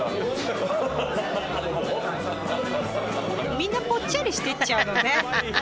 みんなぽっちゃりしてっちゃうのね。